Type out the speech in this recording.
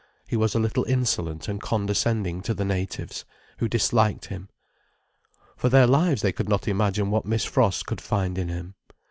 He was a little insolent and condescending to the natives, who disliked him. For their lives they could not imagine what Miss Frost could find in him.